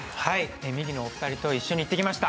ミキのお二人と一緒に行っていきました。